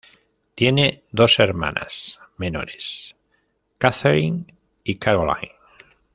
Tiene dos hermanas menores, Catherine y Caroline.